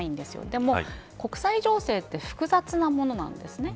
でも、国際情勢って複雑なものなんですね。